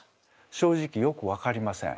正直よくわかりません。